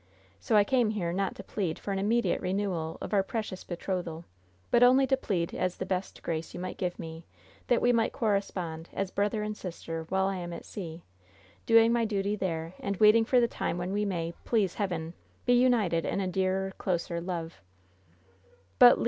So I came here not to plead for an immediate renewal of our precious betrothal, but only to plead as the best grace you might give me that we might correspond, as brother and sister, while I am at sea, doing my duty there and waiting for the time when we may, please Heaven, be united in a dearer, closer love " "But, Le!"